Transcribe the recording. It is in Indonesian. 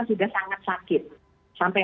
sudah sangat sakit sampai